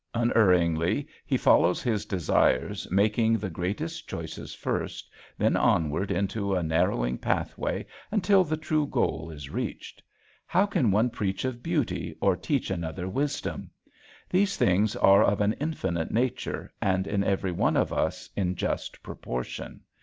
Unerringly he follows his desires making the greatest choices first, then onward into a narrowing pathway until the true goal is reached. How can one preach of beauty or teach another wisdom. These things are of an infinite nature, and in every one of us in just proportion.